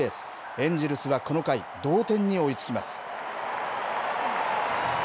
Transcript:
エンジェルスはこの回、同点に追いつきます。